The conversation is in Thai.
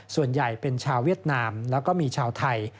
ส่วนใหญ่เป็นชาวเวียดนามแล้วก็มีชาวไทย